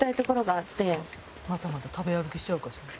またまた食べ歩きしちゃうかもしれない。